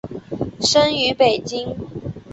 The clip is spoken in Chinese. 生于北京。